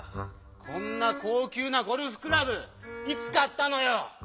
こんなこうきゅうなゴルフクラブいつかったのよ